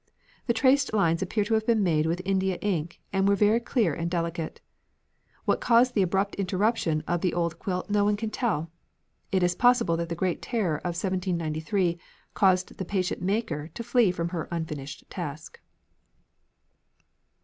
The traced lines appear to have been made with India ink and were very clear and delicate. What caused the abrupt interruption of the old quilt no one can tell. It is possible that the great terror of 1793 caused the patient maker to flee from her unfinished task."